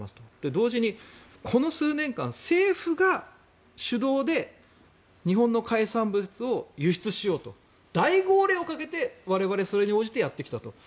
同時にこの数年間、政府が主導で日本の海産物を輸出しようと大号令をかけて、我々はそれに応じてやってきたと。